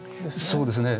そうですね。